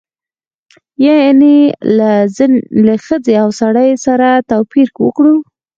یعنې له ښځې او سړي سره توپیر وکړو.